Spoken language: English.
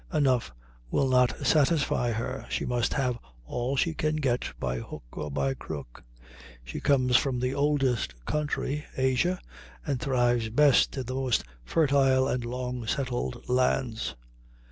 Enough will not satisfy her; she must have all she can get by hook or by crook. She comes from the oldest country, Asia, and thrives best in the most fertile and long settled lands.